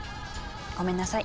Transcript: ごめんなさい。